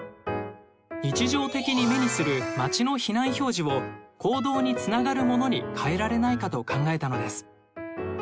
日常的に目にする街の避難表示を行動につながるものに変えられないかと考えたのです。